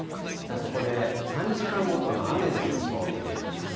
そこで３時間ごとの雨の予想見ていきます。